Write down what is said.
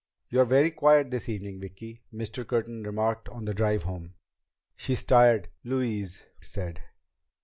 "You're very quiet this evening, Vicki," Mr. Curtin remarked on the drive home. "She's tired," Louise said.